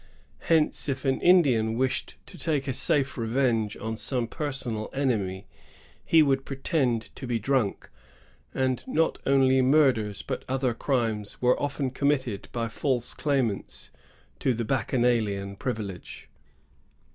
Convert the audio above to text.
Hence, if an Indian wished to take a safe revenge on some personal enemy, he would pretend to be drunk; and not only murders but other crimes were often committed by false claimants to the bacchanaUan privilege.